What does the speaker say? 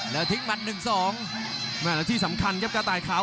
แล้วทิ้งมัน๑๒แล้วที่สำคัญครับกระต่ายขาว